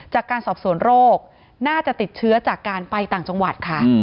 จากการสอบสวนโรคน่าจะติดเชื้อจากการไปต่างจังหวัดค่ะ